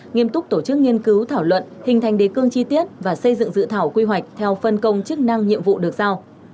nghiêm túc tổ chức nghiên cứu thảo luận hình thành đề cương chi tiết và xây dựng dự thảo quy hoạch theo phân công chức năng nhiệm vụ được giao